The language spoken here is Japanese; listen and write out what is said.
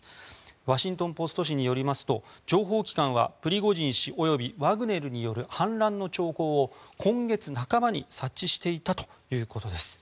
ワシントン・ポスト紙によりますと情報機関はプリゴジン氏及びワグネルによる反乱の兆候を今月半ばに察知していたということです。